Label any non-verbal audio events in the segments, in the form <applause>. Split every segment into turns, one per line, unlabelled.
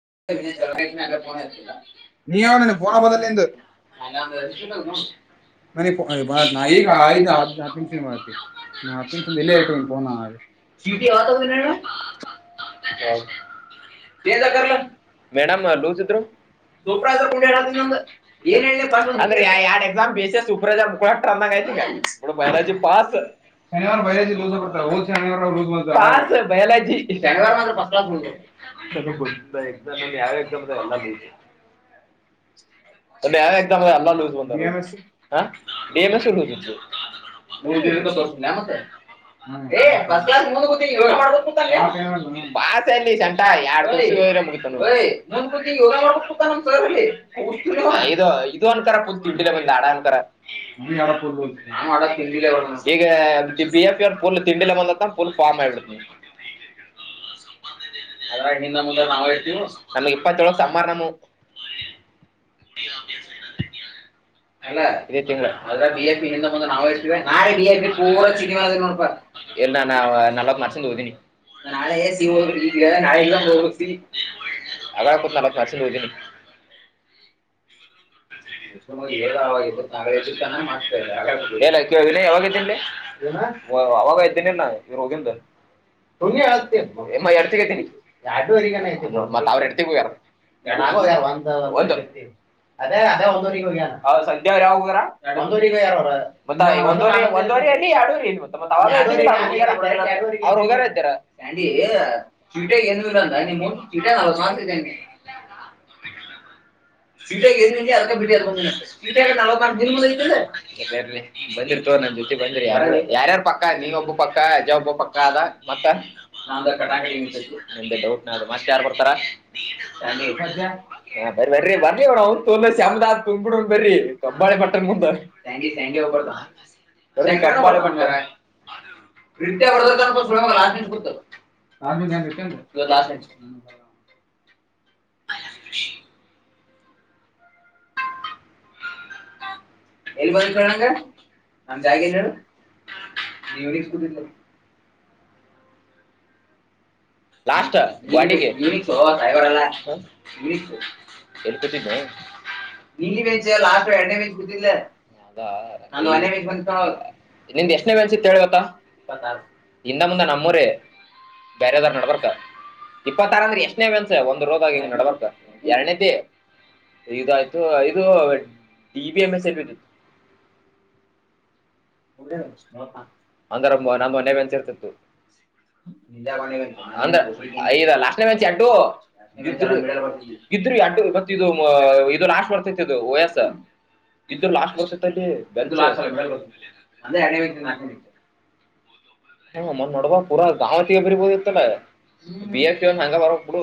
<unintelligible> ಹಲ್ಲ ಮ <unintelligible> ಗ <unintelligible> ಶ್ಯಟಿ ಆತ ನ
<unintelligible>
ಮೇಡಮ್ ಲೂಸಿದ್ರು ಸೂಪ್ರೈಸರ್ ಕ ಹೇಳ ಏನ್ ಹೇಳಿ ಅ್ರ ಯ ಎಾರ್ಡ್ ಎಕ್ಸಾಮ್ ಬೇಸ ಸೂಪ್ರೈಜರ್ ಮುಕ್ಕಳ ಹ್ರ ಅಂದಂಗ ಬಯಾಲಜಿ ಪಾಸ್ ಶನಿವ ಬ ಹಾಸ ಬಯಲೋಜಿ ಶನಿವ <unintelligible>
<unintelligible> <unintelligible> ಹ್ಮ ಯ
ಇದು ಒನ್ಕ ಪತ್ ತಿಿಲ್ಲ ಅಂತ ಈಗ ತಿ ಬಂದು ಫಾರಾಮ ಆಿಡ್ನ
<inaudible>
ಅದ್ರ ಹಿಂದ ಮುಂದೆ ನಾವ ನಮಗ್ ಇಪ್ಪತ್ತಏಳಗ್ ಸಮ್ಮಾರ್ ನಮ್ಮ ಅಲ್ಲ ಇದೇ ತಿಂಗಳ ಅ್ರ ಬಿ ಎಫ ಪಿ ನಿಂದ ಮುಂದೆ ನಾವುತವೆ ನಾೇ ಬಿ ಎ ಪಿ ಪೂರ್ ಸಿನಿಮಾ ಅ ನೋಡಪಾ ಎಲ್ಲ ನಾ ನಲವತ್ ಮರ್ಷಂದ ಹಓದೀನಿ ನಳೆ ಸಿ ನಾ ಅದ ಕೊತನ ಬತ್ ಮಾಡಚದುನ ಯಾವಾಗನ್ ಹೆಡ್ಡಿನ್ ಲೆ ಅವಾಗ ಯ್ತೇನಿ ಇ ನ ಈ ರೋಗಿಿಂದ ಹ ಎಡ್ತನ ಮತ್ತ ಅವ್ರ ಎಡ್ತೆ ಹೋಗ್ಯಾರ ಒ ಒ ಅದೇ ಅದೇ ಒಂದು ಸಂಜೆವರ ಹರ ಮತ್ತ ಒಂದ ಒಂದೂರಿ ಅಲ್ಲಿ ಎರಡೂವರೆ ಮತ್ತ ಅವ್ರು ಹೋಗ್ಯಾರ ಇದ್ದ ಸ್ಯಾಂಡಿ ಸ್ವೀಟ ಏನು ಇಲ್ಲ ಅ ನ ಮಾ ಇದೇನೆ
ಶತ ಗ ಅ
ಬಂದಿ ತೋ ನನ್ ಜೊತೆ ಬಂದ್ರಿ ಯಾರ ಎಾರ ಪಕ್ಕ ನೀ ಒಬ್ಬ ಪಕ್ಕ ಅಜಾ ಒಬ್ಬ ಪಕ್ಕ ಅದ ಮತ್ತ ಕಡಿ ಡೌಟ್ ಮತ್ತತ್ ಯಾರ್ ಬರ್ತಾರ ಬ ಬನ್ ಬರ್ಲಿಡ ಅವಂತು ಒ ಶಮದಾ ಹ್ ಕೂಡ ಒಂದ್ ಬರರಿ ಕಬ್ಳ ಪಟ್ಟಣನ್ ಬಂದ ಕೆಾಳಿ ಬಾರೆ ನಿತ್ಯ ಬದಕೊಂಡ <unintelligible> ಕೊಡ್ತ ಇವತ್ ಲಾಸ್ಟ್ ಐತಿ <unintelligible> ಎಲ್ಲಿ ಬಂದಂಗ ನಮ್ದಾಗ ಹೇಳ ನೀ ಕೂ ಲಾಸ್ಟ್ ಕ್ವಾಟಿಗ್ <unintelligible> ಡೈವರ್ ಅಲ್ಲ ಎಳ್ಕಟ್ಟಿದ್ದೆ ನೀಲಿ ವೆಜ್ ಲಾ ಎಡೆ ಮಚ್ ಬಿಟ್ಟಿಲ್ಲ ಅದ ಮ ನಿ ಎಷ್ಟನೇ ಬ್ಯಾಚ್ ಇತ ಹೇಳಯಿವತ್ ಇಪ್ಪತ್ ಆರು ಇಿಂದ ಮುಂದ ನಮ್ಮೂರ ಬೇರೆದಾರ ನಡ್ಬಾರ ಇಪ್ಪತ್ತಾರ ಅಂದ್ರೆ ಎಷ್ಟನೇವೆ ಅನ್ಸ ಒಂದ್ ರೋದಾಗಿಂಗ ನಡ್ಬಾರ ಎರಡನೇದ ಇಯ್ತು ಇದು ಡಿ ಬಿ ಎಂ ಎಸ್ ಎಲಿಬಿದಿತೂ
<unintelligible> ಯೇಡು <unintelligible> ಬಿಡ
ಇದ್ರಿ ಯಾಡ್ಡು ಮತ್ತ ಇದು ಇದು ಲಾಶ್ ಬರ್ತೈತಿ ಇದು ಒ ಎಸ್ ಇದ್ರ ಲಾಸ್ಟ್ ವರ್ಷದಲ್ಲಿ ಬೆ್ರೆಕ ಹ್ಮ ಮೊನ್ ನೋಡಬ ಪೂರಾ ಗಾವ ತಿಗೆ ಬರ್ಬೋದಿತ್ತಲ ಪ ಎರ್ಿ ಒ ಹಂಗ ಬರ ಬಿಡು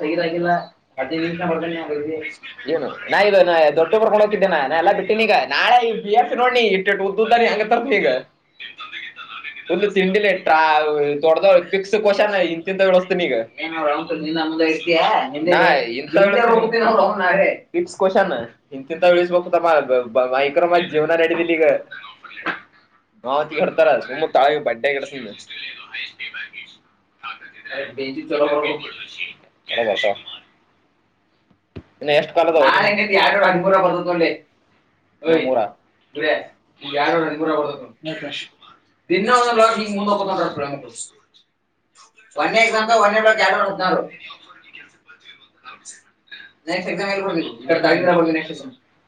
ತೈರ್ ಆಗಿಲ್ಲತ್ತ ನಿಷ ಏನು ನಾ ಇದು ನ ದೊಡ್ ಬರ್ಕೊಂಡ್ ಹೋಗತಿದ್ದೇ ನಾನ ಎಲ್ಲಾ ಬಿಟ್ಟಿನಿ ಈಗ ನಾಳ ಈ ಬಿ ಎಫ್ ನೋಡ್ ನೀಿ ಇಟ್ಟ ಉದ ದುಡ್ ಹಂಗ ತರತಿನೀಗ ಒಲ್ಲ ತಿಂಡಿಿಲ್ಲ ದೊಡ್ಡ್ದ ಿಕ್ಸ್ ಕಶಾನ ಇಂತಿಂತಸ್ತನಗ ನಮ್ದ ಐತ್ಯ ನಾ ಹಿಂತವ ಹೇಳ್ತೀನಿ ನಾಳೆ ಫಿಕ್ಸ್ ಕೊಸನ್ ಮೈಕ್ರೋ ಮಾ ಜೀವನಾನ ಅಡಿ ದಲಿ ಗ ಆ ತಿ ಗಡತರ್ ಸೂಮ್ ಬಡೇ ಯಿಡತಿನ್ <unintelligible> ಇನ್ನಾ ಎಷ್ಟ ಕಾಲ್ ಅದವ್ ಯಾಡ್ ನೂರು ಹಾಡಿಮುರಾಗ್ ಬರ್ತತದ ನೋಡಲೇ ಮೂರರ ಯಾದನುರ ಹದಿಮೂರರಾಗ ಬರ್ತದ ನೋಡಲೇ ದನ್ನೆಂದ ಲೋಗ್ ಮೂಂದ ಸುಳೆ ಮಕುಳು ಒನ್ ಐ ನಕ ಒಂದರ ಎರಡು ಹದನಾರ ನೆಕ್ಸ್ ಎಕ್ಸಾಮ್ ಎಲ್ಲಿ ಎ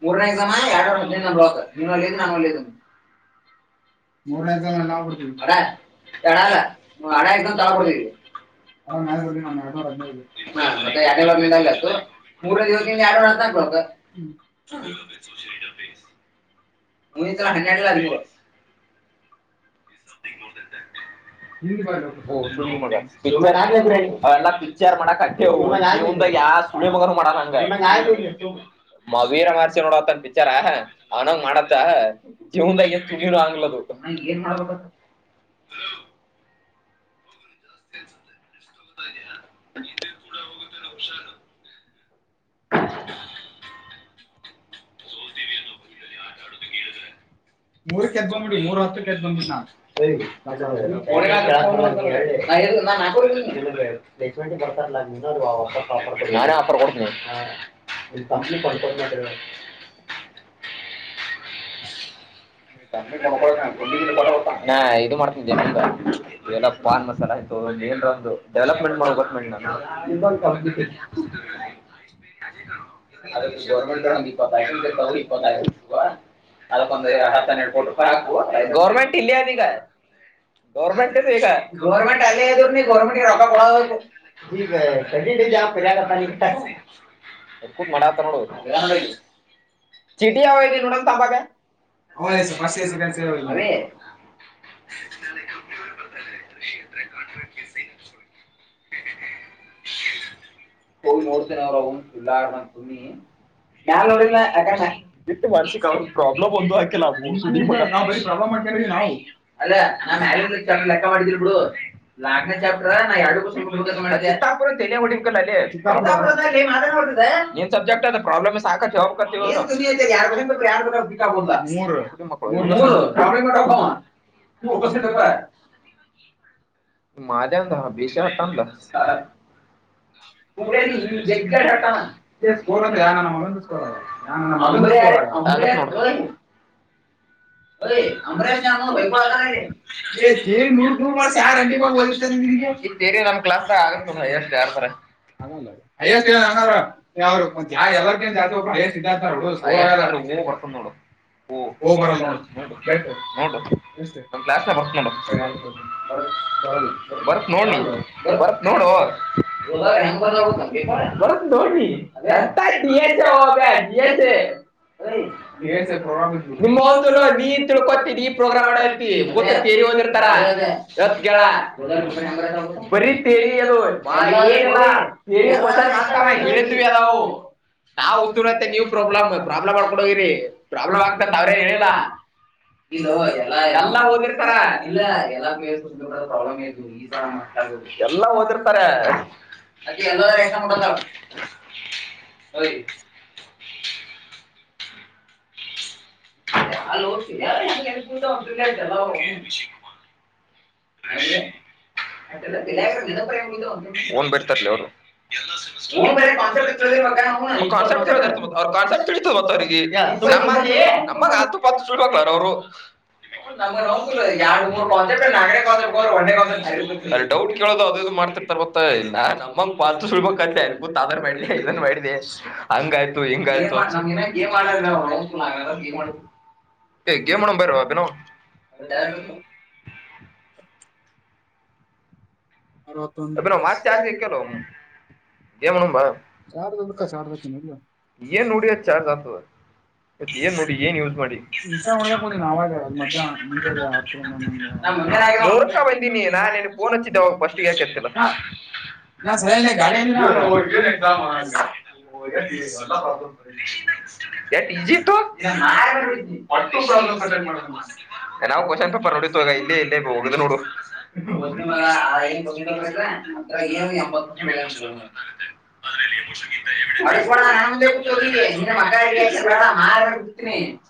ಮೂರನೇ ಎಕ್ಸಾಮ ಎರಡು ಹದಿನ ಬ್ಾಕ್ ನಾ ವಲಿದು
<inaudible> ಮೂರರ ತಾ ಕೊಡ್ತೀ ಪರ ಅಡಾಯರ ತಾ ಕೊಡ್ತ ಹಾ ನಾನ ಬಿಡಲ ಎರಡನೂರ ಹದಿನೈದು ಮೂರ ದಿವಸ ಯಾರ ನ ಬಳಕ
<unintelligible>
<inaudible>
ು ಎಲ್ಲ ಪಿರ್ಚರ್ ಮಾಡಕ್ ಜೀವನದಾಗ ಸುಳ್ಯ ಮಗನು ಮಾಡಲ ಹಂಗ ಮ ವೀರ ಮಾರ್ಸಿ ನೋಡತ್ನ್ ಪಿಚಾರ ಅವನಂಗ್ ಮಾಡತ್ ಜೀವನದಾಗ ತುಗನು ಅಂಗಲತ ುತ್ತೆ ನೀೆ ಕೂಡ ಹೋಗುದಿಲ್ಲ ಹುಷಾರು
<unintelligible> <inaudible>
<unintelligible> ಬರ್ತಾರಲ್ಲ ಆರ್ ಕೊ ನಾನೇ ಆಫರ್ ಕೊಡ್ತ ಪತ್ನಿ ಕೊಪ ಮಾ
<inaudible>
<inaudible> ನಾ ಇದು ಮಾಡ್ತೀನಿ ಜನಂದ ಇವೆಲ್ಲ ಪಾನ್ ಮಸಾಲ ಏನ್ಂದು ಡೆವಲಪ್ಮೆಂಟ್ ಮಾಡಬೇಕ <unintelligible>
<unintelligible> ಟ್ಟಿದ್ದಾನಿಲ್ಲ ಗರ್ಮೆಂಟ್ ಗವರ್ಮೆಂಟ್ ಗವರ್ಮೆಂಟ್ ರಫ ಪಡ <inaudible>
ಮತ ನೋಡ ಚಿಟಿ ಯಾವ ಇದ್ದ ನೋಡಮ ತಂಬಕ ಅವ ಕೃಷಿತ್ರ ಕಾಣ ಹೋಗ ನೋಡ್ತ ನ ಅವರುೋಗಲ್ಲಣ ತುಿ ನಾನ್ ನೋಡ ಯು ಮಾಡಸಿಕ್ ಅವ್ರ ಪ್ರಾಬ್ಲಮ್ ಒಂದು ಆತು ಅಲ್ಲ ನ ಲೆಕ್ಕ ಮಾಡಿದ್ರಿ ಬಿಡು ನಕ್ನೆ ಚಾಪ್ಟರ್ ನ ಎಡು ತಾರ ತ ಹೊಡಿಲ್ಲ ಅಲ್ಲಿ ನೀನ್ ಸಬ್ಜೆಕ್ಟ್ ಅದು ಪ್ರಾಬ್ಲಮ್ಕ ಬ ಮೂರು
<inaudible>
ಮಾದ ಅಂತ ಭೇಷ ಹಟ್ಟಂತ
ಸ್ಕೋರ್ ಅಂತ ಯ ಮಗಂದು ಸ್ಕೋರ್ ಅಲ್ಲ ಯ ಮಗ ಅ ಅಂಬರ ಅಮ ನೂರ ನೂರ್ ವರ್ಷ ಆಾರ ರಂಡಿ ಪಾಗ ೇರೆ ನಾ ಕ್ಲ ಆಗಯ ಆಗಲ್ಲ ಅಯ್ಯಸ್ ಹಂಗಾದ್ರ ಯಾರ ಮ ಯ ಎಲ್ಲರ್ಗ ನ್ ಜಾಸ್ತಿಬ್ ಅಯ ಸಾರ್ಥಡು ಸೋರ್ ಆಲ್ಲ
ಕೊಳಡ ೋ ನೋಡು ಕ್ಲಾಸ್ ನ ಬಸ್ ನೋಡ
ಬರಲ್ಲ ದ ಹೆ್ಯಾಂಗ ಬ ಪೇಪ ಬ ಪ್ರಣ ನಿಮ್ಮತ್ತು ನೂಪತ್ತಿಗೆ ಈ ಪ್ರೋಗ್ರಾಮ್ ಆ ಬರಿ ಥಿಯರಿ ಉ ಪ್ರಾಬ್ಲಮ ಪ್ರಾಬ್ಲಮ ಆ ಪ್ರಾಬ್ಲಮ ಆಗ್ ಅವರೇ ಹೇಳಲ್ಲದಾ ಇಲ್ಲ ಎಲ್ಲಾ ಎ ಹಓದಿರ್ತಾ ಇಲ್ಲ ಎಲ್ಲಾ ಪ್ರಾಬ್ಲಮ್ ಈ ಒಭಾಯ ಬಿ ಎಲ್ಲ ರೇಖಾ ಕೊಡತಣ ಹ ಅಲ್ಲ ಓಕೆ ಯೂ ಉಂತ ಹೇಳ್ತಲ್ಲ ಅವರು ನೀ ಹ ಅಲ್ಲ ಮಿನಪರ ಒ ಮೂನ್ಲೆಾಕ ೊ ನಂಗ ಹ ಯಾರ್ಡ್ ಮರ್ಟ ನ ತಟ್ಟ ಅವತ್ತೊಂದು ಾರ್ಾರ್ ಏನ್ಬ ಇಸ ಒಡ್ಗಕ್ ಹೋುದ ನಾವಾಗ ಮಧ್ಯಾಹನ ಮುಂಚೆ ಆತ್ರರಿ ನಗೆ ನಾ ಮೀಿೋನ್ ನ ಸದ ಗಾಡಿ ಎಲ್ಲ ಪ್ರಬ್ಲ ನಿಜ ಒಟ್ಟು ಸ್ಂತಂಸ ಹಾವ ಪಂಗಡಿ ಬ ಮ ಆಐ ಬ ಏ ಎಂಬತ್ ಬಳಕಳ ನನ್ ಮುಂದೆೋಗ ನೀನು ಮಕ್ಕಳ ಬೇಡ ಮಾರ ಮಾಡ ಬಿತೀಿನಿ ಹ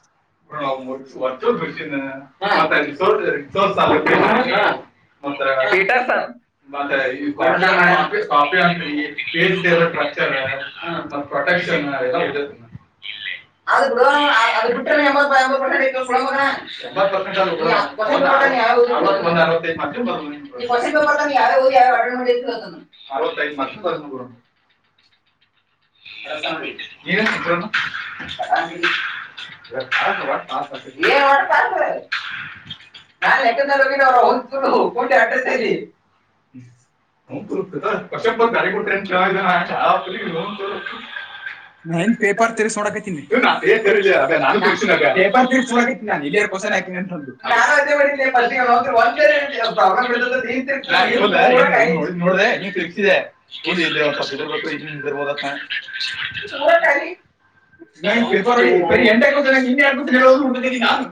ಪ್ರ ವತು ಮಷೀನ್ ಹಲ್ಲಿ ಸ ಸೊ ಸಾಲ ಮತ್ತ ಹ ಆತ ಕಾಫಿ ಅಂತಿ ವೆಜಿಟೇಬಲ್ ಪ್ರರ್ ಅಲ್ಲ ಉಳ್ಳದು ಅದು ಬಿಡ ಬಿ ಎಂಬ ಬ ಯ ಯ ಅ ಮ ಅ ನೀ ನಾ ಎಕಂದರೋಗ ಅವಂತ ಅಡ್ರೆಸ್ ಅಲ್ಲಿ ಹ್ಮ ವರ್ಷಕ್ ಬ ಕೊಟ್ರೆ ನ ಹ್ಮ
ಪೇಪ ತ ನಾನ ಪ ತ ನಾನ್ ಅದೇ ಮಾಡಿಲ್ಲೆ ಸ್ಟ್ಗ ನ ಒಂದ ಪ್ರಾಬ್ಲಮ್ ಇರ್ತದ ನೋಡೆ ತಿದೆ ಸಗಟಾಣ ಎ ಹೋಗ್ಬೇಕಲ್ಲಿ ನಾನು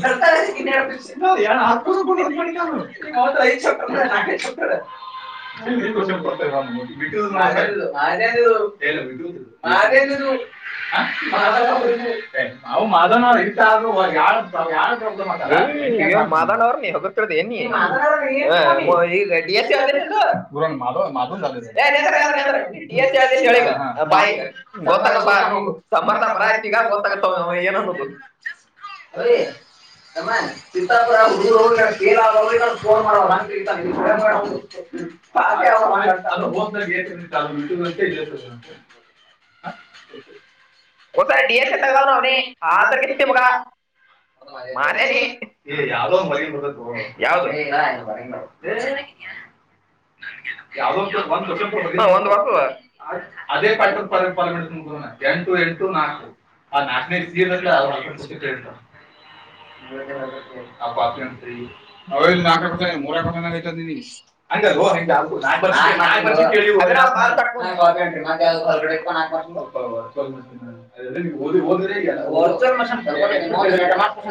ಭರ್ತನ್ನ ಹೂಡಿ ನ ಚ
ನಾವು ಮಾದನ ಯಬ್ ಯಾವ ಪ್ರಾಬ್ಲಮ್ ಅ ಮಾತಡ ಶು ಮಾ ಮಾಧ ಮ್ಮತ್ರ ಬಗ ಗೊತ್ತ್ ಏ ಹೀ ಮ್ಮ ಚಾಪುರ ಹುಗರುಬಫೋನ್ ಮಾಡಬ ಹ ಹ ಅತ ಹೊ ನೀ ನಿ ಆತ ಕೆವಾ
ಮಾರ ಯಾವ್ದ ಒಂದು ಮರಿ ಯಾವ ವಿವನ
ಯಾವ ಒ ಅದೇರ್ನ್ ತ ಟ ಎಟು ನಾಕು ನಾಕನಗತ್ತಪಸಂತ ಹ ನಕ ಕಸ ಮರ ಕ ್ತ ಹೊಗಡೆ ಚ ಮ ಚ ಮ